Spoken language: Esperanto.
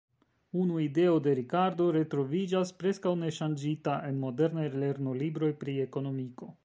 Unu ideo de Ricardo retroviĝas preskaŭ neŝanĝita en modernaj lernolibroj pri ekonomiko.